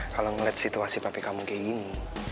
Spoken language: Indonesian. kalau ngeliat situasi papi kamu kayak gini